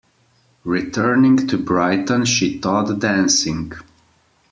Returning to Brighton, she taught dancing.